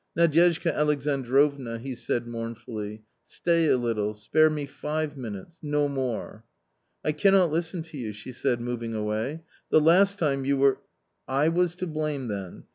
" Nadyezhda Alexandrovna !" he said mournfully, " stay a little, spare' me five minutes — no more." " I cannot listen to you," she said, moving away ;" the last time you were "" I was to blame then.